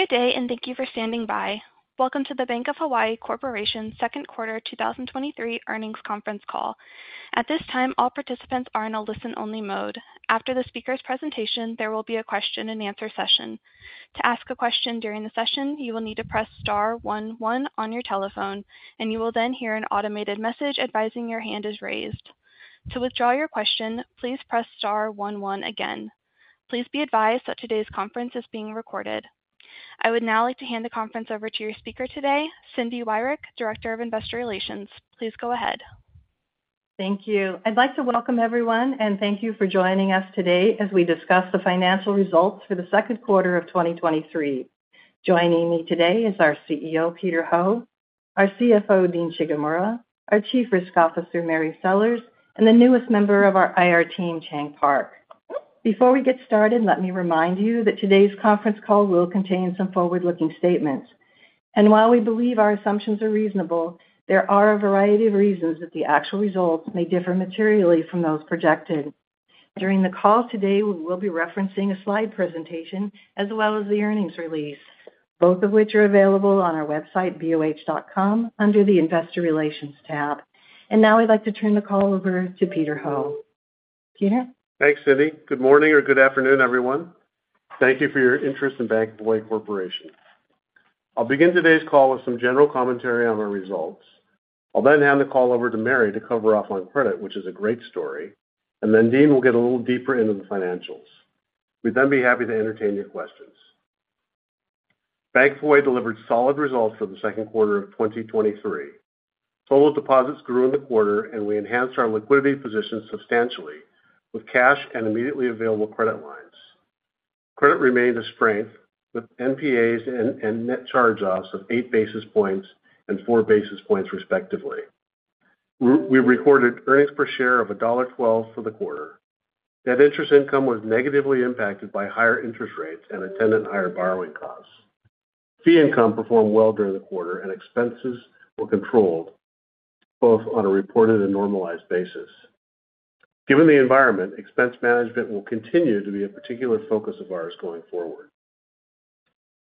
Good day, and thank you for standing by. Welcome to the Bank of Hawaii Corporation Q2 2023 Earnings Conference Call. At this time, all participants are in a listen-only mode. After the speaker's presentation, there will be a question-and-answer session. To ask a question during the session, you will need to press star 11 on your telephone, and you will then hear an automated message advising your hand is raised. To withdraw your question, please press star 11 again. Please be advised that today's conference is being recorded. I would now like to hand the conference over to your speaker today, Cindy Wyrick, Director of Investor Relations. Please go ahead. Thank you. I'd like to welcome everyone and thank you for joining us today as we discuss the financial results for the Q2 of 2023. Joining me today is our CEO, Peter Ho, our CFO, Dean Shigemura, our Chief Risk Officer, Mary Sellers, and the newest member of our IR team, Chang Park. Before we get started, let me remind you that today's conference call will contain some forward-looking statements. While we believe our assumptions are reasonable, there are a variety of reasons that the actual results may differ materially from those projected. During the call today, we will be referencing a slide presentation as well as the earnings release, both of which are available on our website, boh.com, under the Investor Relations tab. Now I'd like to turn the call over to Peter Ho. Peter? Thanks, Cindy. Good morning or good afternoon, everyone. Thank you for your interest in Bank of Hawaii Corporation. I'll begin today's call with some general commentary on our results. I'll hand the call over to Mary to cover off on credit, which is a great story. Dean will get a little deeper into the financials. We'd be happy to entertain your questions. Bank of Hawaii delivered solid results for the Q2 of 2023. Total deposits grew in the quarter. We enhanced our liquidity position substantially with cash and immediately available credit lines. Credit remained a strength, with NPAs and net charge-offs of 8 bps and 4 bps, respectively. We recorded earnings per share of $1.12 for the quarter. Net interest income was negatively impacted by higher interest rates and attendant higher borrowing costs. Fee income performed well during the quarter. Expenses were controlled both on a reported and normalized basis. Given the environment, expense management will continue to be a particular focus of ours going forward.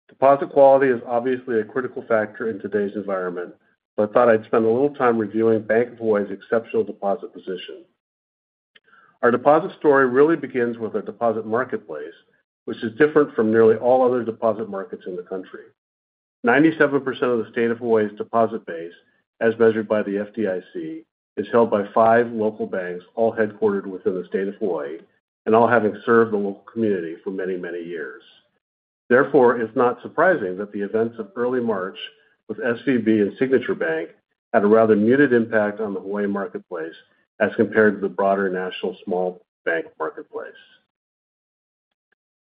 Deposit quality is obviously a critical factor in today's environment. I thought I'd spend a little time reviewing Bank of Hawaii's exceptional deposit position. Our deposit story really begins with a deposit marketplace, which is different from nearly all other deposit markets in the country. 97% of the State of Hawaii's deposit base, as measured by the FDIC, is held by five local banks, all headquartered within the State of Hawaii and all having served the local community for many, many years. It's not surprising that the events of early March with SVB and Signature Bank had a rather muted impact on the Hawaii marketplace as compared to the broader national small bank marketplace.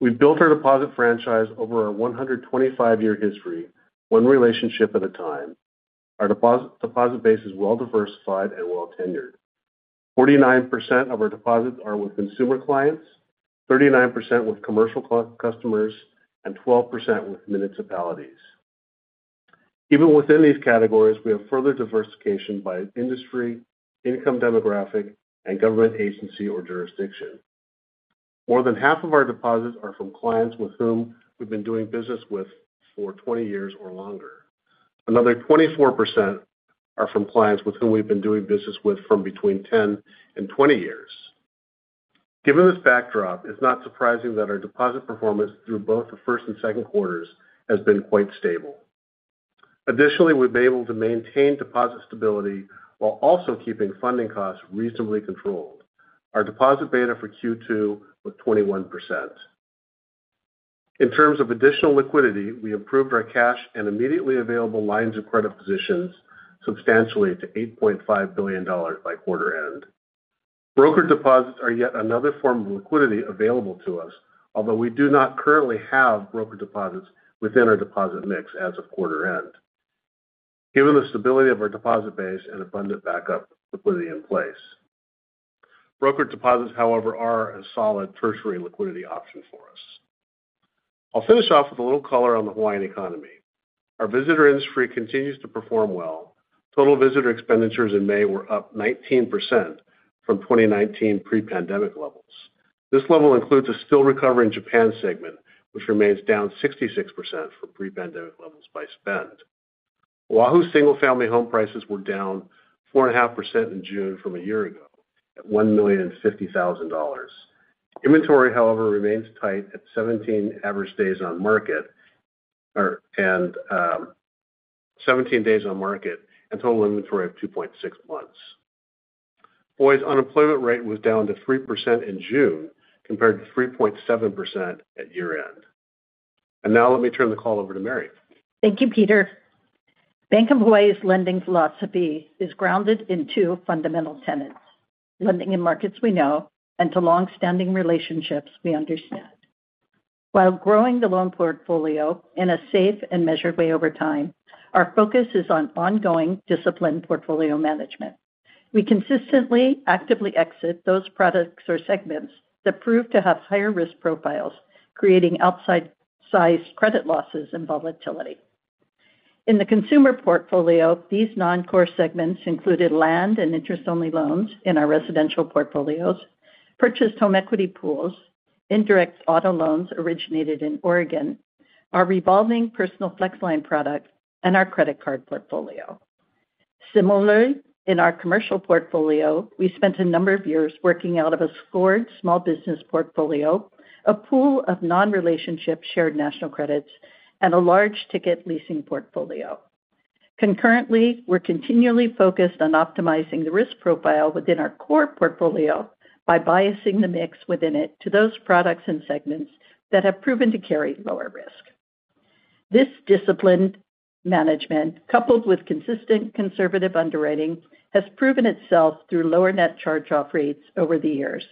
We've built our deposit franchise over our 125-year history, one relationship at a time. Our deposit base is well-diversified and well-tendered. 49% of our deposits are with consumer clients, 39% with commercial customers, and 12% with municipalities. Even within these categories, we have further diversification by industry, income demographic, and government agency or jurisdiction. More than half of our deposits are from clients with whom we've been doing business with for 20 years or longer. Another 24% are from clients with whom we've been doing business with from between 10 and 20 years. Given this backdrop, it's not surprising that our deposit performance through both the first and Q2s has been quite stable. Additionally, we've been able to maintain deposit stability while also keeping funding costs reasonably controlled. Our deposit beta for Q2 was 21%. In terms of additional liquidity, we improved our cash and immediately available lines of credit positions substantially to $8.5 billion by quarter end. brokered deposits are yet another form of liquidity available to us, although we do not currently have brokered deposits within our deposit mix as of quarter end. Given the stability of our deposit base and abundant backup liquidity in place, brokered deposits, however, are a solid tertiary liquidity option for us. I'll finish off with a little color on the Hawaiian economy. Our visitor industry continues to perform well. Total visitor expenditures in May were up 19% from 2019 pre-pandemic levels. This level includes a still recovering Japan segment, which remains down 66% from pre-pandemic levels by spend. Oahu single-family home prices were down 4.5% in June from a year ago at $1,050,000. Inventory, however, remains tight at 17 average days on market, and 17 days on market and total inventory of 2.6 months. Hawaii's unemployment rate was down to 3% in June, compared to 3.7% at year-end. Now let me turn the call over to Mary. Thank you, Peter. Bank of Hawaii's lending philosophy is grounded in two fundamental tenets: lending in markets we know and to long-standing relationships we understand. While growing the loan portfolio in a safe and measured way over time, our focus is on ongoing disciplined portfolio management. We consistently, actively exit those products or segments that prove to have higher risk profiles, creating outside sized credit losses and volatility. In the consumer portfolio, these non-core segments included land and interest-only loans in our residential portfolios, purchased home equity pools, indirect auto loans originated in Oregon, our revolving personal flex line product, and our credit card portfolio. Similarly, in our commercial portfolio, we spent a number of years working out of a scored small business portfolio, a pool of non-relationship Shared National Credits, and a large ticket leasing portfolio. Concurrently, we're continually focused on optimizing the risk profile within our core portfolio by biasing the mix within it to those products and segments that have proven to carry lower risk. This disciplined management, coupled with consistent conservative underwriting, has proven itself through lower net charge-off rates over the years,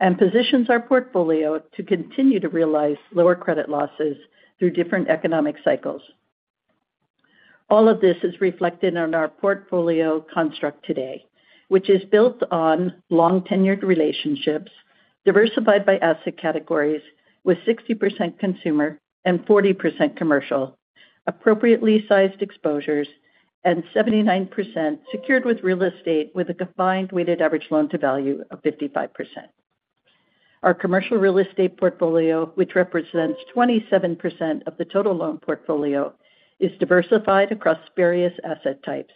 and positions our portfolio to continue to realize lower credit losses through different economic cycles. All of this is reflected on our portfolio construct today, which is built on long-tenured relationships, diversified by asset categories, with 60% consumer and 40% commercial, appropriately sized exposures, and 79% secured with real estate with a combined weighted average loan-to-value of 55%. Our commercial real estate portfolio, which represents 27% of the total loan portfolio, is diversified across various asset types.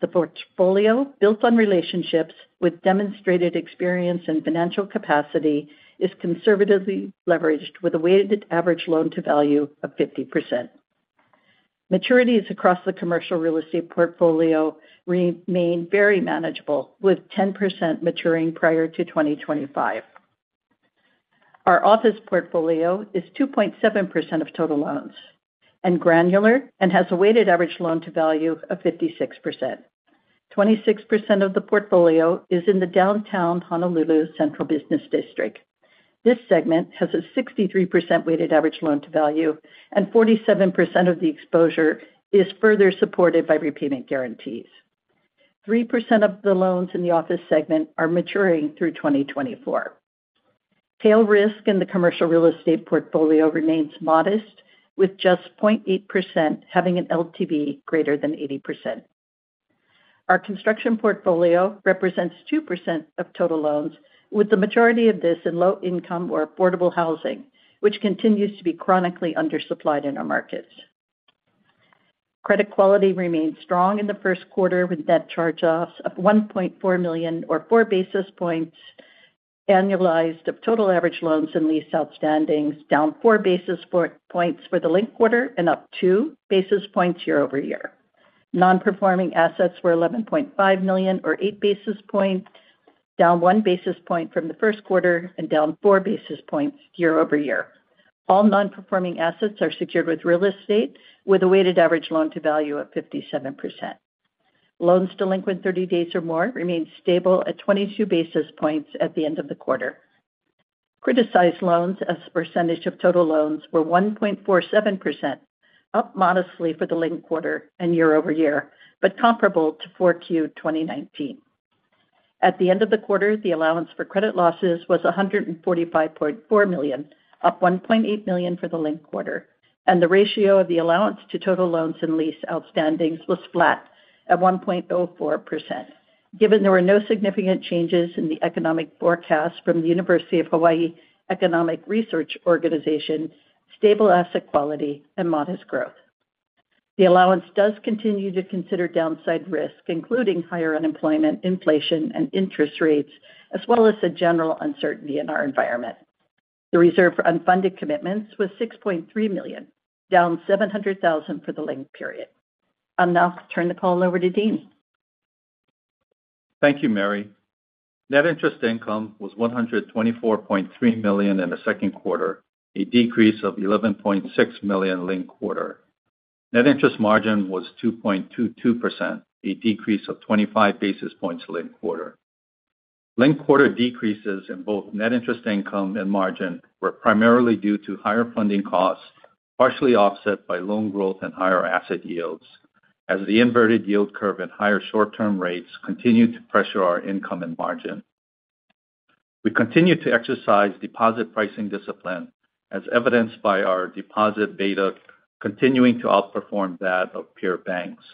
The portfolio, built on relationships with demonstrated experience and financial capacity, is conservatively leveraged with a weighted average loan-to-value of 50%. Maturities across the commercial real estate portfolio remain very manageable, with 10% maturing prior to 2025. Our office portfolio is 2.7% of total loans and granular and has a weighted average loan-to-value of 56%. 26% of the portfolio is in the downtown Honolulu Central Business District. This segment has a 63% weighted average loan-to-value, and 47% of the exposure is further supported by repayment guarantees. 3% of the loans in the office segment are maturing through 2024. Tail risk in the commercial real estate portfolio remains modest, with just 0.8% having an LTV greater than 80%. Our construction portfolio represents 2% of total loans, with the majority of this in low-income or affordable housing, which continues to be chronically undersupplied in our markets. Credit quality remained strong in the Q1, with net charge-offs of $1.4 million or 4 bps, annualized of total average loans and lease outstandings, down 4 bps for the linked quarter and up 2 bps year-over-year. Non-Performing Assets were $11.5 million or 8 bps, down 1 bps from the Q1 and down 4 bps year-over-year. All Non-Performing Assets are secured with real estate, with a weighted average loan-to-value of 57%. Loans delinquent 30 days or more remained stable at 22 bps at the end of the quarter. Criticized loans as a percentage of total loans were 1.47%, up modestly for the linked quarter and year-over-year, comparable to 4Q 2019. At the end of the quarter, the allowance for credit losses was $145.4 million, up $1.8 million for the linked quarter, the ratio of the allowance to total loans and lease outstandings was flat at 1.04%. Given there were no significant changes in the economic forecast from the University of Hawaii Economic Research Organization, stable asset quality and modest growth. The allowance does continue to consider downside risk, including higher unemployment, inflation, and interest rates, as well as the general uncertainty in our environment. The reserve for unfunded commitments was $6.3 million, down $700,000 for the linked period. I'll now turn the call over to Dean. Thank you, Mary. Net interest income was $124.3 million in the Q2, a decrease of $11.6 million linked quarter. Net interest margin was 2.22%, a decrease of 25 bps linked quarter. Linked quarter decreases in both net interest income and margin were primarily due to higher funding costs, partially offset by loan growth and higher asset yields, as the inverted yield curve and higher short-term rates continued to pressure our income and margin. We continued to exercise deposit pricing discipline, as evidenced by our deposit beta continuing to outperform that of peer banks.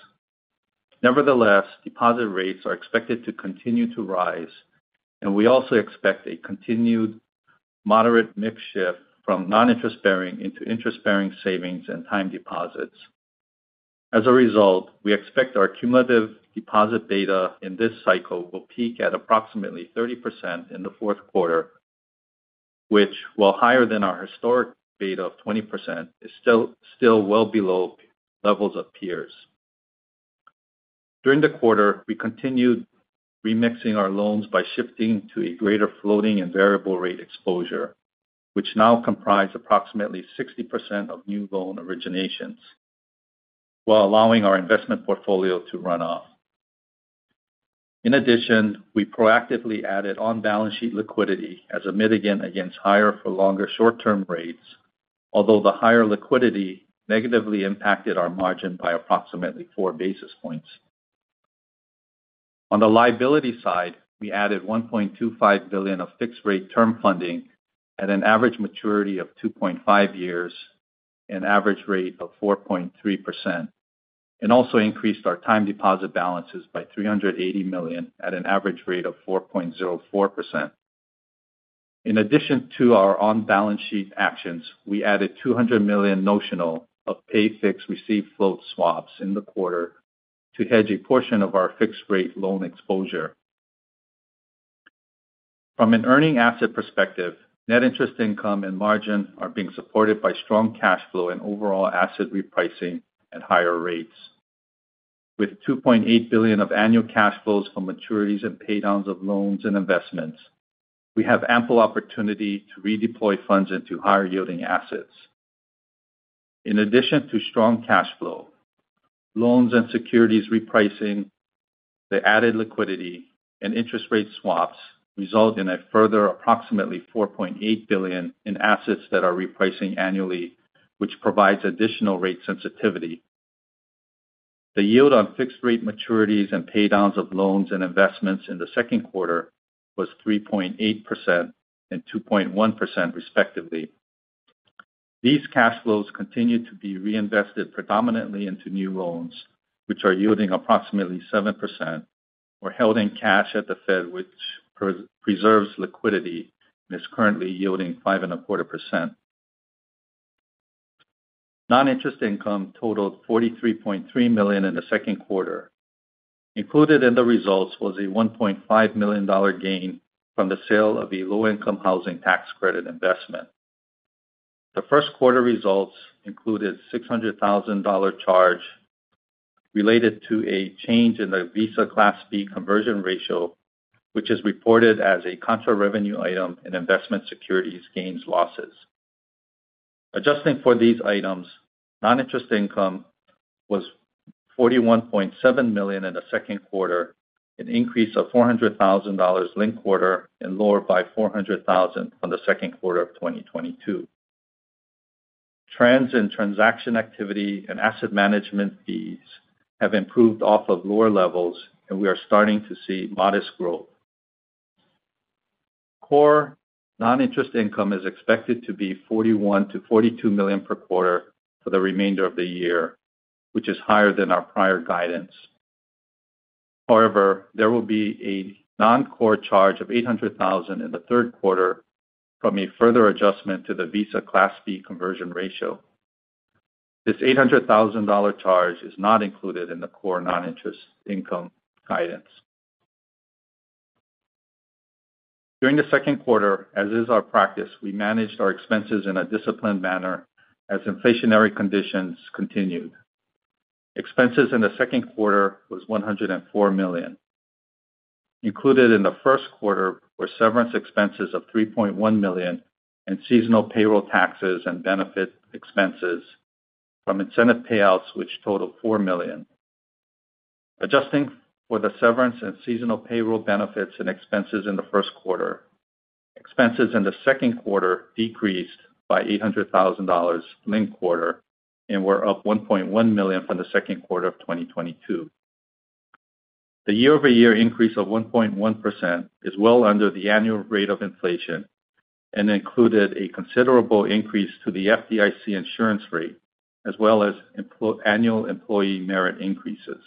Nevertheless, deposit rates are expected to continue to rise, and we also expect a continued moderate mix shift from non-interest bearing into interest-bearing savings and time deposits. We expect our cumulative deposit beta in this cycle will peak at approximately 30% in the fourth quarter, which, while higher than our historic beta of 20%, is still well below levels of peers. During the quarter, we continued remixing our loans by shifting to a greater floating and variable rate exposure, which now comprise approximately 60% of new loan originations, while allowing our investment portfolio to run off. We proactively added on-balance sheet liquidity as a mitigant against higher for longer short-term rates, although the higher liquidity negatively impacted our margin by approximately four bps. On the liability side, we added $1.25 billion of fixed rate term funding at an average maturity of 2.5 years and average rate of 4.3%, and also increased our time deposit balances by $380 million at an average rate of 4.04%. In addition to our on-balance sheet actions, we added $200 million notional of pay fixed, receive floating swaps in the quarter to hedge a portion of our fixed rate loan exposure. From an earning asset perspective, net interest income and net interest margin are being supported by strong cash flow and overall asset repricing at higher rates. With $2.8 billion of annual cash flows from maturities and paydowns of loans and investments, we have ample opportunity to redeploy funds into higher yielding assets. In addition to strong cash flow, loans and securities repricing, the added liquidity and interest rate swaps result in a further approximately $4.8 billion in assets that are repricing annually, which provides additional rate sensitivity. The yield on fixed rate maturities and paydowns of loans and investments in the Q2 was 3.8% and 2.1%, respectively. These cash flows continue to be reinvested predominantly into new loans, which are yielding approximately 7% or held in cash at the Fed, which pre-preserves liquidity and is currently yielding 5.25%. Non-interest income totaled $43.3 million in the Q2. Included in the results was a $1.5 million gain from the sale of a low-income housing tax credit investment. The Q1 results included a $600,000 charge related to a change in the Visa Class B conversion ratio, which is reported as a contra revenue item in investment securities gains, losses. Adjusting for these items, non-interest income was $41.7 million in the Q2, an increase of $400,000 linked quarter and lower by $400,000 from the Q2 of 2022. Trends in transaction activity and asset management fees have improved off of lower levels, and we are starting to see modest growth. Core non-interest income is expected to be $41 million-$42 million per quarter for the remainder of the year, which is higher than our prior guidance. There will be a non-core charge of $800,000 in the third quarter from a further adjustment to the Visa Class B conversion ratio. This $800,000 charge is not included in the core non-interest income guidance. During the Q2, as is our practice, we managed our expenses in a disciplined manner as inflationary conditions continued. Expenses in the Q2 was $104 million. Included in the Q1 were severance expenses of $3.1 million and seasonal payroll taxes and benefit expenses from incentive payouts, which totaled $4 million. Adjusting for the severance and seasonal payroll benefits and expenses in the Q1, expenses in the Q2 decreased by $800,000 linked quarter and were up $1.1 million from the Q2 of 2022. The year-over-year increase of 1.1% is well under the annual rate of inflation and included a considerable increase to the FDIC insurance rate, as well as annual employee merit increases.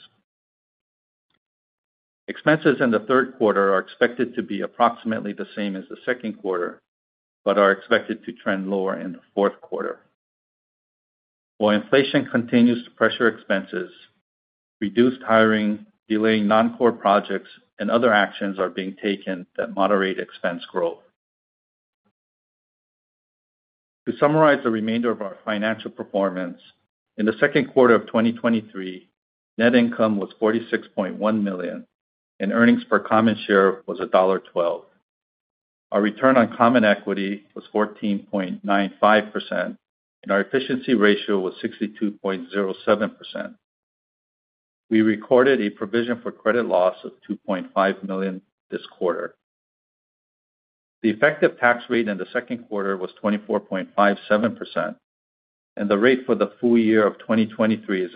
Expenses in the third quarter are expected to be approximately the same as the Q2, but are expected to trend lower in the fourth quarter. While inflation continues to pressure expenses, reduced hiring, delaying non-core projects and other actions are being taken that moderate expense growth. To summarize the remainder of our financial performance, in the Q2 of 2023, net income was $46.1 million, and earnings per common share was $1.12. Our return on common equity was 14.95%, and our efficiency ratio was 62.07%. We recorded a provision for credit losses of $2.5 million this quarter. The effective tax rate in the Q2 was 24.57%, and the rate for the full year of 2023 is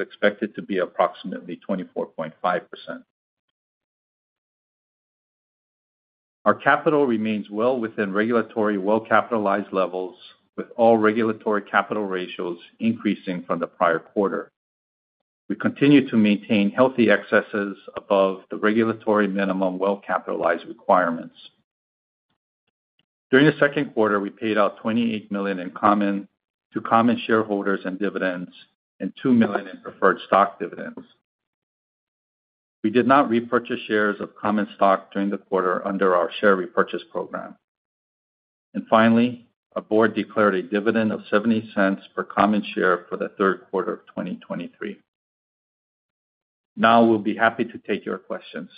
expected to be approximately 24.5%. Our capital remains well within regulatory well-capitalized levels, with all regulatory capital ratios increasing from the prior quarter. We continue to maintain healthy excesses above the regulatory minimum well-capitalized requirements. During the Q2, we paid out $28 million in common to common shareholders and dividends and $2 million in preferred stock dividends. We did not repurchase shares of common stock during the quarter under our share repurchase program. Finally, our board declared a dividend of $0.70 per common share for the third quarter of 2023. Now we'll be happy to take your questions.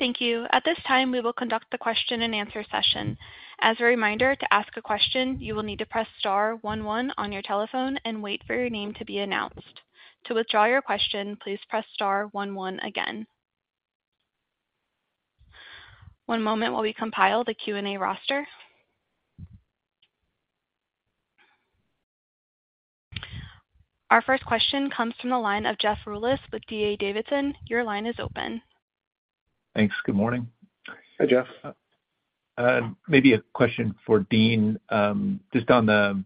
Thank you. At this time, we will conduct the question-and-answer session. As a reminder, to ask a question, you will need to press star one one on your telephone and wait for your name to be announced. To withdraw your question, please press star one one again. One moment while we compile the Q&A roster. Our first question comes from the line of Jeff Rulis with D.A. Davidson. Your line is open. Thanks. Good morning. Hi, Jeff. Maybe a question for Dean, just on the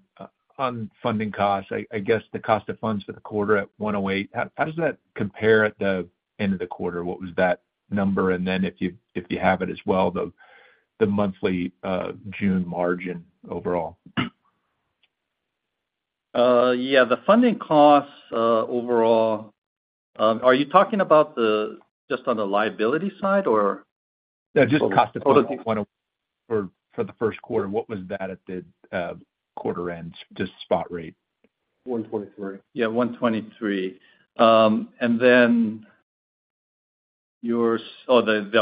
funding costs. I guess the cost of funds for the quarter at 1.08%, how does that compare at the end of the quarter? What was that number? If you have it as well, the monthly June margin overall? Yeah, the funding costs, overall, are you talking about just on the liability side, or? Yeah, just cost of funding for the Q1, what was that at the quarter end, just spot rate? 123. Yeah, 123. The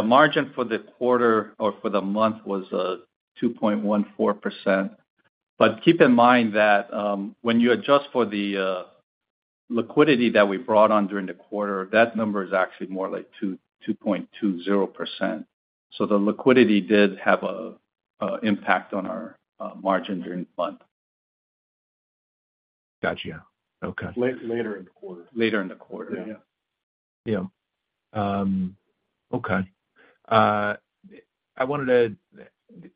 margin for the quarter or for the month was 2.14%. Keep in mind that, when you adjust for the liquidity that we brought on during the quarter, that number is actually more like 2.20%. The liquidity did have a impact on our margin during the month. Gotcha. Okay. Later in the quarter. Later in the quarter. Yeah. Yeah. Okay. I wanted to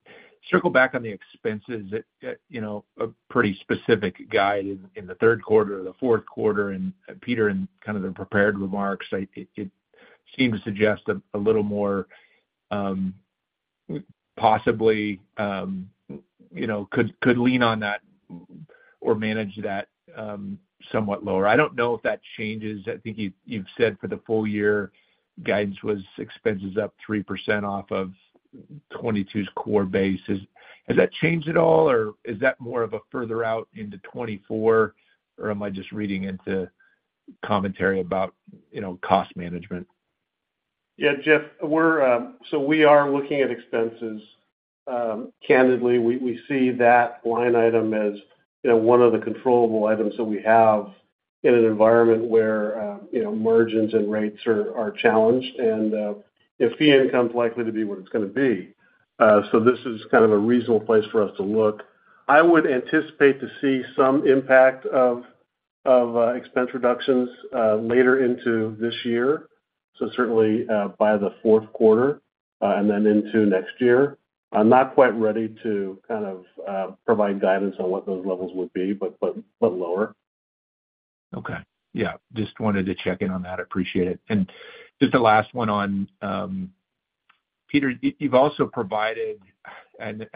circle back on the expenses that, you know, a pretty specific guide in the third quarter or the fourth quarter. Peter, in kind of the prepared remarks, it seems to suggest a little more, possibly, you know, could lean on that or manage that somewhat lower. I don't know if that changes. I think you've said for the full year, guidance was expenses up 3% off of 2022's core base. Has that changed at all, or is that more of a further out into 2024? Am I just reading into commentary about, you know, cost management? Yeah, Jeff, we're looking at expenses. Candidly, we see that line item as, you know, one of the controllable items that we have in an environment where, you know, margins and rates are challenged, fee income is likely to be what it's going to be. This is kind of a reasonable place for us to look. I would anticipate to see some impact of expense reductions later into this year. Certainly, by the fourth quarter and into next year. I'm not quite ready to kind of provide guidance on what those levels would be, but lower. Okay. Yeah, just wanted to check in on that. I appreciate it. Just the last one on, Peter, you've also provided, and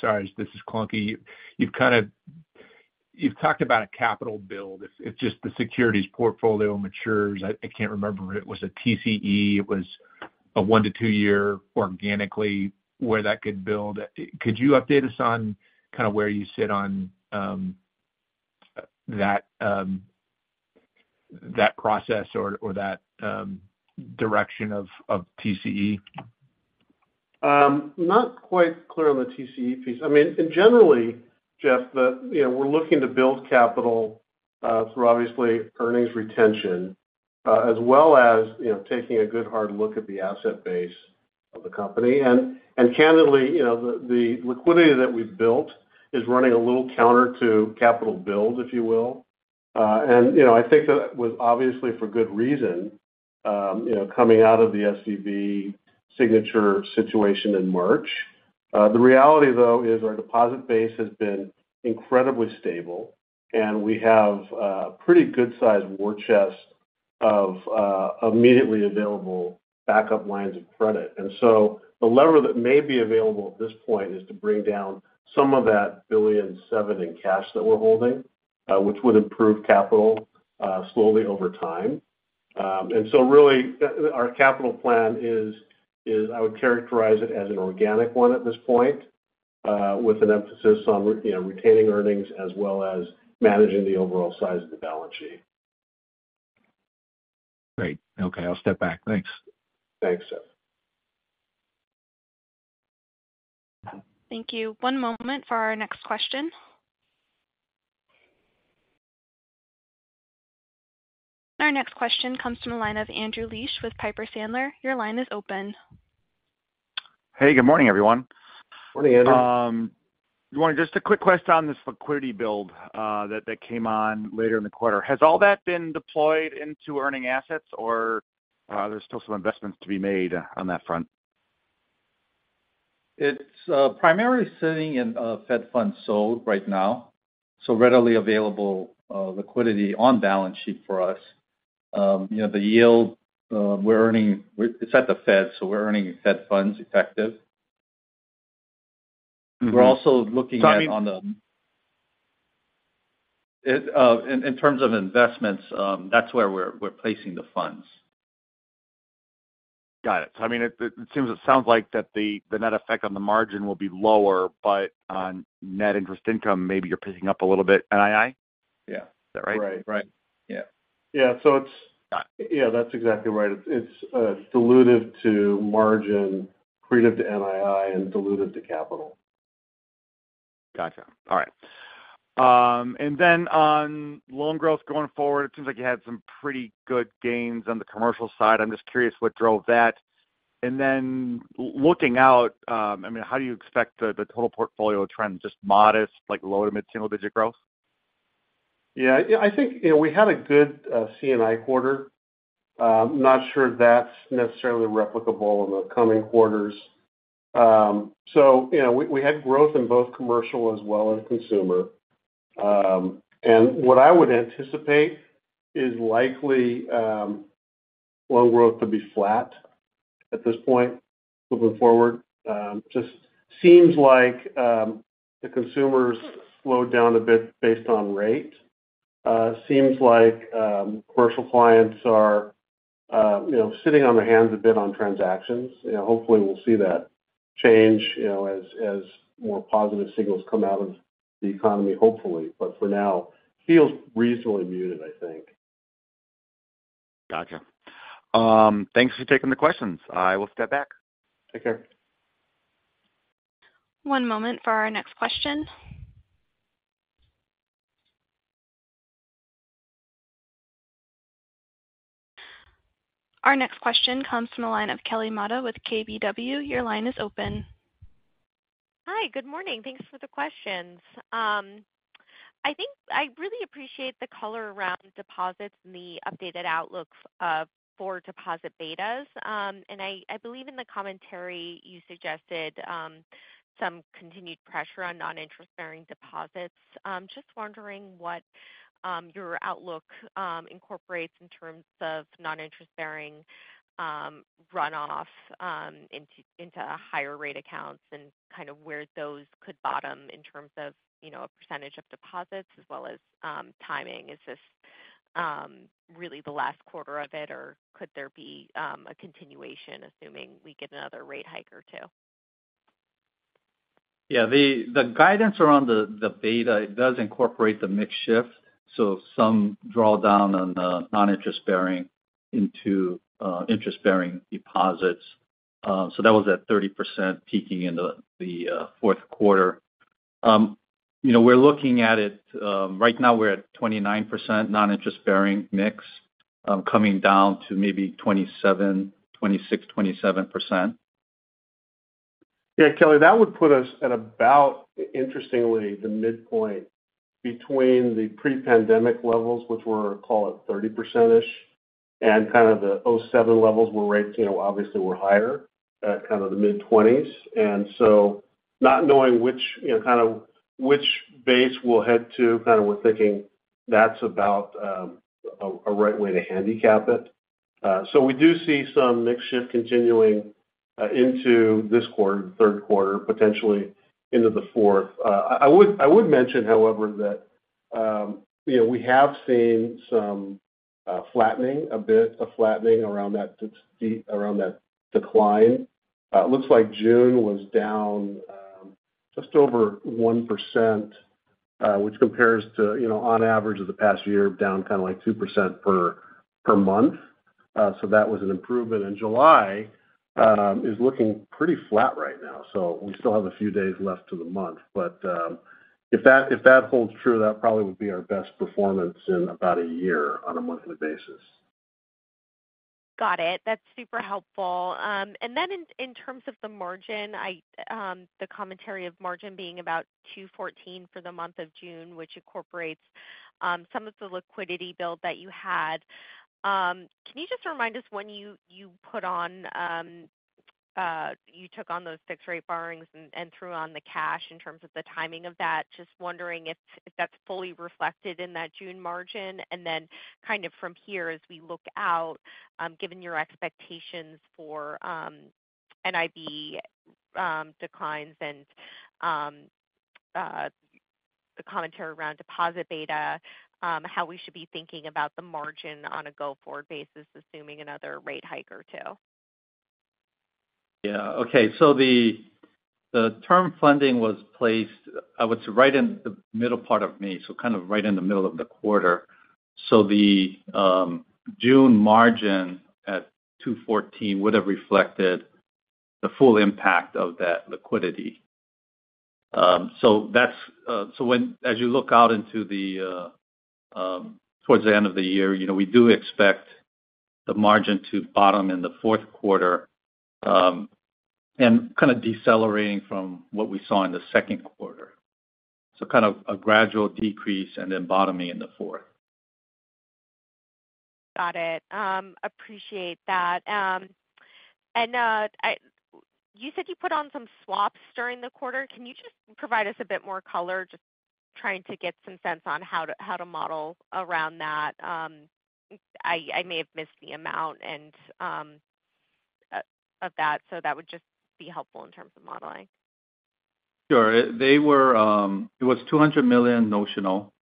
sorry, this is clunky. You've talked about a capital build. It's just the securities portfolio matures. I can't remember if it was a TCE, it was a one to two year organically, where that could build. Could you update us on kind of where you sit on that process or that direction of TCE? Not quite clear on the TCE piece. I mean, in generally, Jeff, you know, we're looking to build capital through obviously earnings retention, as well as, you know, taking a good hard look at the asset base of the company. Candidly, you know, the liquidity that we've built is running a little counter to capital build, if you will. I think that was obviously for good reason, you know, coming out of the SVB Signature situation in March. Reality, though, is our deposit base has been incredibly stable, and we have a pretty good size war chest of immediately available backup lines of credit. The lever that may be available at this point is to bring down some of that $1.7 billion in cash that we're holding, which would improve capital slowly over time. Really, our capital plan is I would characterize it as an organic one at this point, with an emphasis on, you know, retaining earnings as well as managing the overall size of the balance sheet. Great. Okay, I'll step back. Thanks. Thanks, Jeff. Thank you. One moment for our next question. Our next question comes from the line of Andrew Liesch with Piper Sandler. Your line is open. Hey, good morning, everyone. Morning, Andrew. Just a quick question on this liquidity build, that came on later in the quarter. Has all that been deployed into earning assets, or, there's still some investments to be made on that front? It's primarily sitting in Fed Funds sold right now, so readily available liquidity on balance sheet for us. You know, the yield we're earning. It's at the Fed, so we're earning Fed Funds effective. Mm-hmm. We're also looking at. I mean. In terms of investments, that's where we're placing the funds. Got it. I mean, it seems it sounds like that the net effect on the margin will be lower, but on net interest income, maybe you're picking up a little bit NII? Yeah. Is that right? Right. Right. Yeah. Yeah. Got it. Yeah, that's exactly right. It's dilutive to margin, accretive to NII and dilutive to capital. Gotcha. All right. On loan growth going forward, it seems like you had some pretty good gains on the commercial side. I'm just curious what drove that? Looking out, I mean, how do you expect the total portfolio trend? Just modest, like low to mid single digit growth? Yeah, I think, you know, we had a good C&I quarter. Not sure that's necessarily replicable in the coming quarters. You know, we had growth in both commercial as well as consumer. What I would anticipate is likely loan growth to be flat at this point moving forward. Just seems like the consumer's slowed down a bit based on rate. Seems like commercial clients are, you know, sitting on their hands a bit on transactions. You know, hopefully, we'll see that change, you know, as more positive signals come out of the economy, hopefully. For now, feels reasonably muted, I think. Gotcha. Thanks for taking the questions. I will step back. Take care. One moment for our next question. Our next question comes from the line of Kelly Motta with KBW. Your line is open. Hi, good morning. Thanks for the questions. I think I really appreciate the color around deposits and the updated outlook of for deposit betas. I believe in the commentary you suggested, some continued pressure on non-interest-bearing deposits. Just wondering what your outlook incorporates in terms of non-interest-bearing runoff into higher rate accounts and kind of where those could bottom in terms of, you know, a percentage of deposits as well as timing. Is this really the last quarter of it, or could there be a continuation, assuming we get another rate hike or two? The guidance around the beta, it does incorporate the mix shift, so some drawdown on the non-interest bearing into interest bearing deposits. That was at 30% peaking in the fourth quarter. You know, we're looking at it. Right now, we're at 29% non-interest bearing mix, coming down to maybe 27%, 26%, 27%. Yeah, Kelly, that would put us at about, interestingly, the midpoint between the pre-pandemic levels, which were, call it 30%-ish, and kind of the 2007 levels, where rates, you know, obviously were higher at kind of the mid-20s. Not knowing which, you know, kind of which base we'll head to, kind of we're thinking that's about a right way to handicap it. We do see some mix shift continuing into this quarter, the third quarter, potentially into the fourth. I would mention, however, that, you know, we have seen some flattening, a bit of flattening around that decline. It looks like June was down just over 1%, which compares to, you know, on average of the past year, down kind of like 2% per month. That was an improvement. July is looking pretty flat right now, so we still have a few days left to the month. If that, if that holds true, that probably would be our best performance in about a year on a monthly basis. Got it. That's super helpful. In terms of the margin, I, the commentary of margin being about 2.14% for the month of June, which incorporates some of the liquidity build that you had. Can you just remind us when you put on you took on those fixed rate borrowings and threw on the cash in terms of the timing of that? Just wondering if that's fully reflected in that June margin. Kind of from here, as we look out, given your expectations for NIB declines and the commentary around deposit beta, how we should be thinking about the margin on a go-forward basis, assuming another rate hike or 2. Yeah. Okay. The term funding was placed, it was right in the middle part of May, so kind of right in the middle of the quarter. The June margin at 2.14% would have reflected the full impact of that liquidity. That's as you look out into the towards the end of the year, you know, we do expect the margin to bottom in the fourth quarter, and kind of decelerating from what we saw in the Q2. Kind of a gradual decrease and then bottoming in the fourth. Got it. appreciate that. You said you put on some swaps during the quarter. Can you just provide us a bit more color? Just trying to get some sense on how to model around that. I may have missed the amount and, of that, so that would just be helpful in terms of modeling. Sure. They were, it was $200 million notional,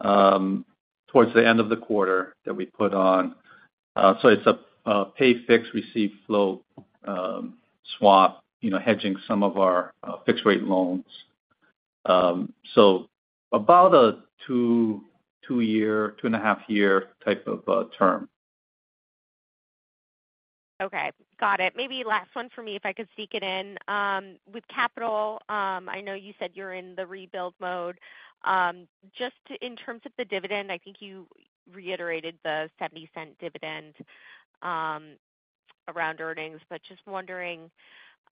towards the end of the quarter that we put on. It's a pay fixed, receive floating swap, you know, hedging some of our fixed rate loans. About a 2 year, 2.5 year type of term. Okay, got it. Maybe last one for me, if I could sneak it in. With capital, I know you said you're in the rebuild mode. Just in terms of the dividend, I think you reiterated the $0.70 dividend, around earnings. Just wondering,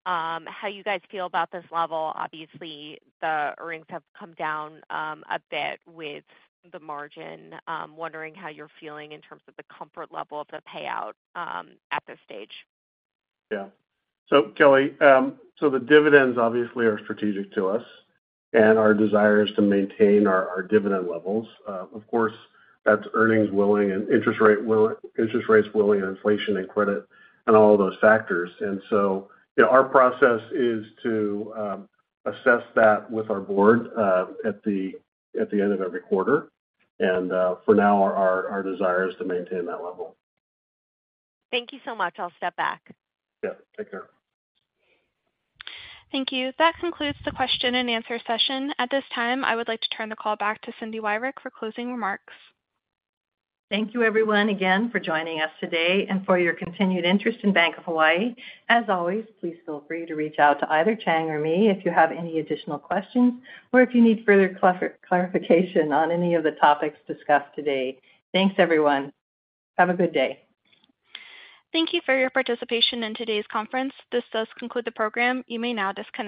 how you guys feel about this level. Obviously, the earnings have come down, a bit with the margin. Wondering how you're feeling in terms of the comfort level of the payout, at this stage. Yeah. Kelly, the dividends obviously are strategic to us, and our desire is to maintain our dividend levels. Of course, that's earnings willing and interest rates willing, and inflation and credit and all of those factors. You know, our process is to assess that with our board at the end of every quarter. For now, our desire is to maintain that level. Thank you so much. I'll step back. Yeah, take care. Thank you. That concludes the question and answer session. At this time, I would like to turn the call back to Cindy Wyrick for closing remarks. Thank you, everyone, again for joining us today and for your continued interest in Bank of Hawaii. As always, please feel free to reach out to either Chang or me if you have any additional questions or if you need further clarification on any of the topics discussed today. Thanks, everyone. Have a good day. Thank you for your participation in today's conference. This does conclude the program. You may now disconnect.